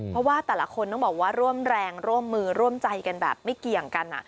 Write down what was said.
เพราะว่าแต่ละคนต้องบอกว่าร่วมแรงร่วมมือร่วมใจกันแบบไม่เกี่ยงกัน